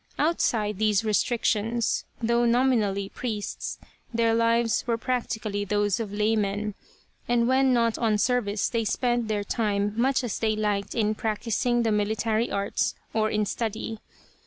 Outside these restrictions, though nominally priests, their lives were practically those of laymen, and when not on service they spent their time much as they liked in practising the military arts or in study.